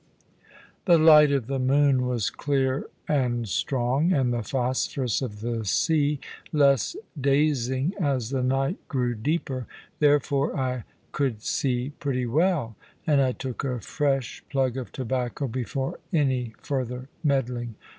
The light of the moon was clear and strong, and the phosphorus of the sea less dazing as the night grew deeper, therefore I could see pretty well; and I took a fresh plug of tobacco before any further meddling.